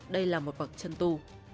đây là một bậc chân tu